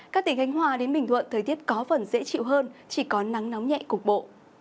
các tỉnh khánh hòa đến bình thuận thời tiết có phần dễ chịu hơn chỉ có nắng nóng nhẹ cục bộ